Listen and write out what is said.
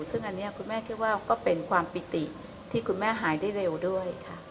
ซึ่งอันนี้คุณแม่คิดว่าก็เป็นความปิติที่คุณแม่หายได้เร็วด้วยค่ะ